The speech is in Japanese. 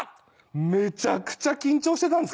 めちゃくちゃ緊張してたんですから。